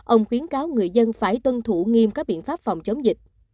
ông khuyến cáo người dân phải tuân thủ nghiêm các biện pháp phòng chống dịch